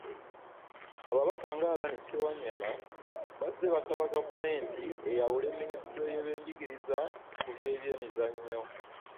Ababaka nga Allan Ssewanyana bazze basaba gavumenti eyawu minisitule y'ebyenjigiriza ku y'ebyemizannyo